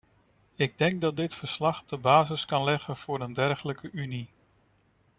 Ik denk dat dit verslag de basis kan leggen voor een dergelijke unie.